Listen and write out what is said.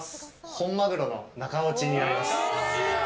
本マグロの中落ちになります。